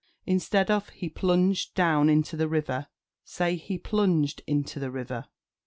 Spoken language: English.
Instead of "He plunged down into the river," say "He plunged into the river."